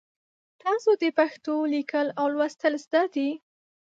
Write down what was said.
تاسو د پښتو لیکل او لوستل زده دي؟